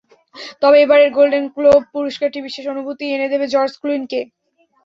তবে এবারের Golden Globe পুরস্কারটি বিশেষ অনুভূতিই এনে দেবে জর্জ ক্লুনিকে।